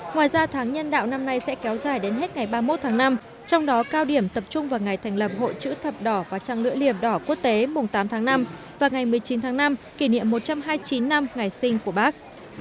ngoài ra tháng nhân đạo năm nay sẽ kéo dài đến hết ngày ba mươi một tháng năm trong đó cao điểm tập trung vào ngày thành lập hội chữ thập đỏ và trang lưỡi liềm đỏ quốc tế mùng tám tháng năm và ngày một mươi chín tháng năm kỷ niệm một trăm hai mươi chín năm ngày sinh của bác